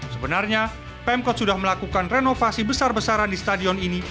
sebenarnya pemkot sudah melakukan renovasi besar besaran di stadion ini